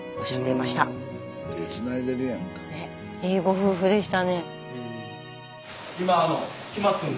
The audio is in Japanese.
いいご夫婦でしたね。